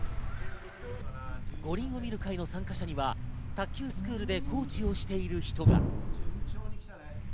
五輪を見る会の参加者には卓球スクールでコーチをしている人が。